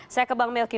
saya ke bang melki